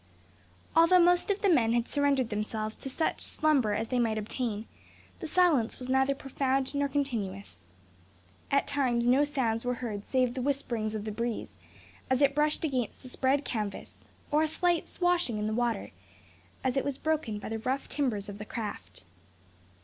Although most of the men had surrendered themselves to such slumber as they might obtain, the silence was neither profound nor continuous. At times no sounds were heard save the whisperings of the breeze, as it brushed against the spread canvas, or a slight "swashing" in the water as it was broken by the rough timbers of the craft.